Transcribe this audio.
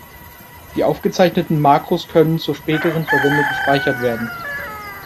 Die aufgezeichneten Makros können zur späteren Verwendung gespeichert werden.